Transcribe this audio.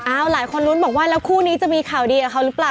หลายคนลุ้นบอกว่าแล้วคู่นี้จะมีข่าวดีกับเขาหรือเปล่า